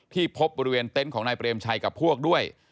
ที่พบบริเวณเต็นต์ของนายเปรมชัยกับพวกด้วย